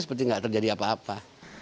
seperti nggak terjadi apa apa